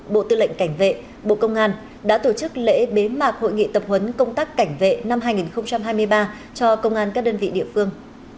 bộ tư lệnh cảnh vệ bộ công an đã tổ chức lễ bế mạc hội nghị tập huấn công tác cảnh vệ năm hai nghìn hai mươi ba cho công an các đơn vị địa phương